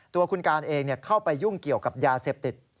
ตัวคุณการเองเข้าไปยุ่งเกี่ยวกับยาเสพติด